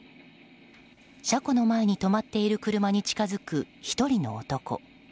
車庫の前に止まっている車に近づく１人の男。